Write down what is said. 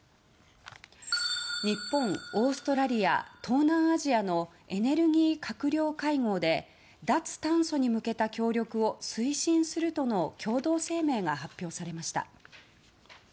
日本、オーストラリア東南アジアのエネルギー閣僚会合で脱炭素に向けた協力を推進するとの共同声明が発表されました。